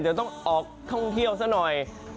เดี๋ยวต้องออกท่องเที่ยวซะหน่อย